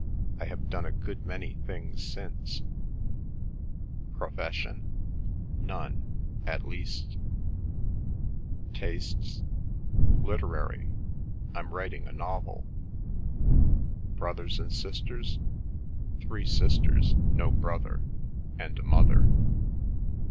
I have done a good many things since—" "Profession?" "None—at least—" "Tastes?" "Literary. I'm writing a novel." "Brothers and sisters?" "Three sisters, no brother, and a mother."